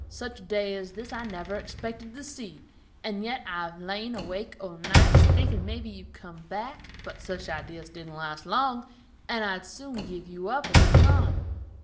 Such a day as this I never expected to see, and yet I have lain awake o' nights thinkin' mebby you'd come back. But such ideas didn't last long, and I'd soon give you up as a goner."